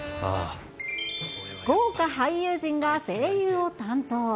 豪華俳優陣が声優を担当。